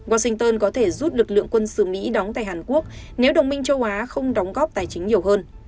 washington có thể rút lực lượng quân sự mỹ đóng tại hàn quốc nếu đồng minh châu á không đóng góp tài chính nhiều hơn